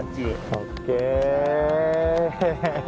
ＯＫ。